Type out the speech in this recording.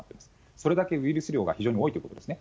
それだけウイルス量が非常に多いということですね。